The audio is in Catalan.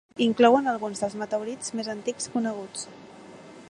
Inclouen alguns dels meteorits més antics coneguts.